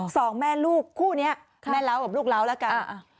สองแม่ลูกคู่เนี่ยแม่เลาะกับลูกเลาะละกัน